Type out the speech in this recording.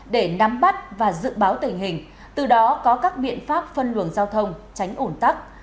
để nắm bắt và dự báo tình hình từ đó có các biện pháp phân luồng giao thông tránh ủn tắc